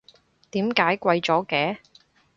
點解貴咗嘅？